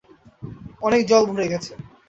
অনেক জল ভরে গেছে।